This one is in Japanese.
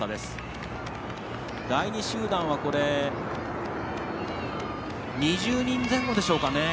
第２集団は２０人前後でしょうか。